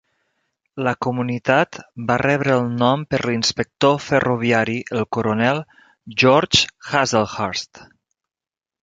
La comunitat va rebre el nom per l'inspector ferroviari el coronel George Hazlehurst.